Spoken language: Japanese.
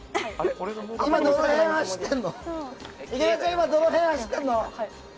今、どの辺を走ってるの？